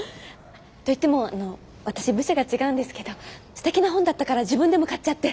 といってもあの私部署が違うんですけどすてきな本だったから自分でも買っちゃって。